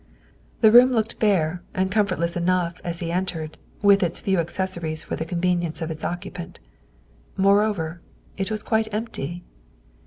The room looked bare and comfortless enough as he entered, with its few accessories for the convenience of its occupant. Moreover, it was quite empty.